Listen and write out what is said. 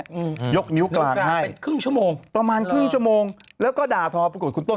ยกนิ้วกลางให้ประมาณครึ่งชั่วโมงและก็ด่าปรากฏคุณต้น